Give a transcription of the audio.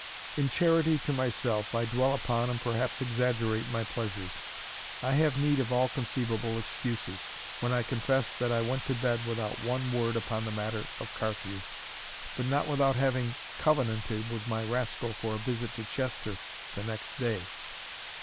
In charity to myself, I dwell upon and perhaps exaggerate my pleasures. I have need of all conceivable excuses, when I confess that I went to bed without one word upon the matter of Carthew, but not without having covenanted with my rascal for a visit to Chester the next day.